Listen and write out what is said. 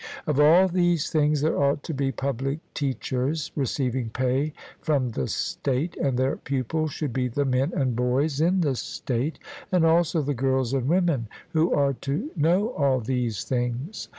Of all these things there ought to be public teachers, receiving pay from the state, and their pupils should be the men and boys in the state, and also the girls and women, who are to know all these things.